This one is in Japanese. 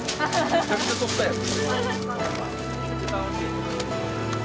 めちゃくちゃ取ったやん。